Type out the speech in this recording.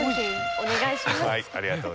お願いします。